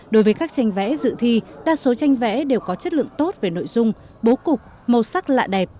đối với các tranh vẽ dự thi đa số tranh vẽ đều có chất lượng tốt về nội dung bố cục màu sắc lạ đẹp